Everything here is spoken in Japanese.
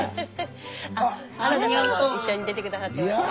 あ原田さんも一緒に出て下さってますね。